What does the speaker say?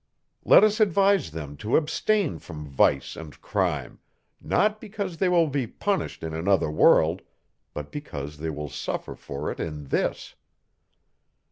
Let us advise them to abstain from vice and crime; not because they will be punished in another world, but because they will suffer for it in this.